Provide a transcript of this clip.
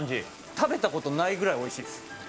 食べたことないぐらいおいしいです。